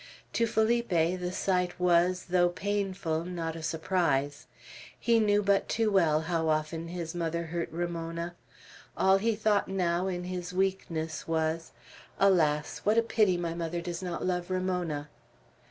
To Felipe the sight was, though painful, not a surprise. He knew but too well how often his mother hurt Ramona. All he thought now, in his weakness, was, "Alas! what a pity my mother does not love Ramona!"